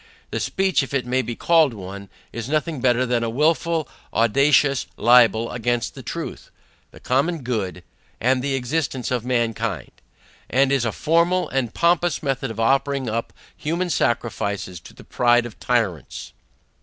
The Speech if it may be called one, is nothing better than a wilful audacious libel against the truth, the common good, and the existence of mankind; and is a formal and pompous method of offering up human sacrifices to the pride of tyrants.